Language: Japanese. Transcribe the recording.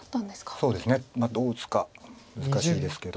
そうですねどう打つか難しいですけど。